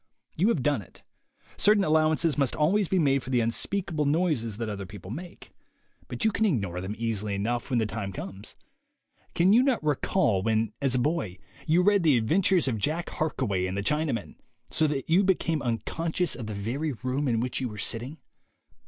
You have done it. Certain allowances must always be made for the unspeak able noises that other people make, but you can THE WAY TO WILL POWER 117 ignore them easily enough when the time comes. Can you not recall, when, as a boy, you read the ad ventures of Jack Harkaway and the Chinamen, so that you became unconscious of the very room in which you were sitting?